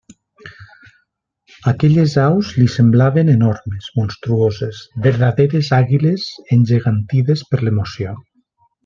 Aquelles aus li semblaven enormes, monstruoses, verdaderes àguiles, engegantides per l'emoció.